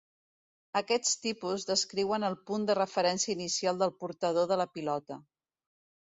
Aquests tipus descriuen el punt de referència inicial del portador de la pilota.